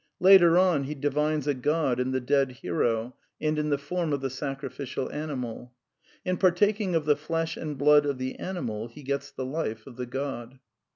Later on, he divines a god in the dead hero, and in the form of the sacrificial animal. In partaking of J^^e flesh and blood of the animal, he gets the life of the god.